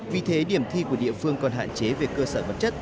vì thế điểm thi của địa phương còn hạn chế về cơ sở vật chất